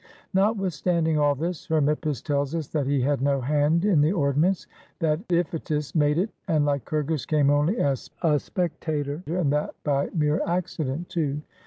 Notwithstanding all this, Hermippus tells us that he had no hand in the ordinance; that Iphi tus made it, and Lycurgus came only as a spectator, and that by mere accident too.